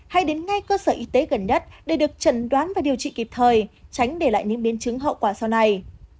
hãy đến ngay cơ sở y tế gần nhất để được chẩn đoán và điều trị kịp thời tránh để lại những biến chứng hậu quả sau này